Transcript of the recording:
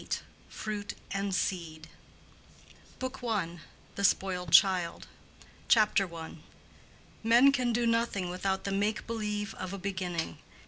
—FRUIT AND SEED DANIEL DERONDA. BOOK I.—THE SPOILED CHILD. CHAPTER I. Men can do nothing without the make believe of a beginning.